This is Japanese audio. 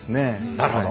なるほど。